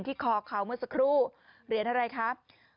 คอเขาเมื่อสักครู่เหรียญอะไรครับ